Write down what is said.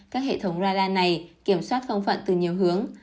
các hệ thống radar này kiểm soát không phận từ nhiều hướng